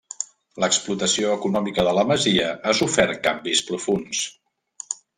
L'explotació econòmica de la masia ha sofert canvis profunds.